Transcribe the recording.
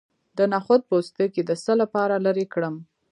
د نخود پوستکی د څه لپاره لرې کړم؟